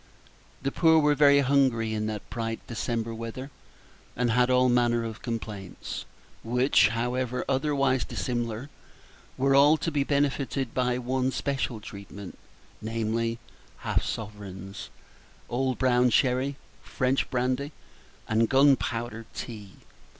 The poor were very hungry in that bright December weather, and had all manner of complaints, which, however otherwise dissimilar, were all to be benefited by one especial treatment, namely, half sovereigns, old brown sherry, French brandy, and gunpowder tea.